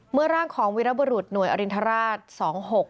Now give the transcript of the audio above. เมื่อร่างของวิรบรุษหน่วยอรินทราช๒๖